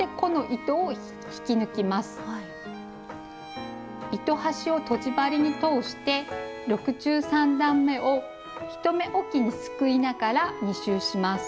糸端をとじ針に通して６３段めを１目おきにすくいながら２周します。